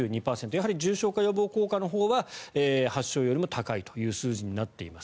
やはり重症化予防効果のほうが発症よりも高いという数字になっています。